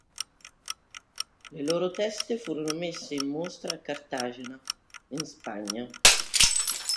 Le loro teste furono messe in mostra a Cartagena, in Spagna.